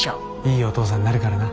いいお父さんになるからな。